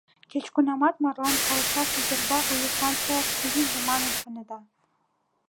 Кеч-кунамат марлан кайышаш ӱдырда у ешлан саяк лийже манын шонеда.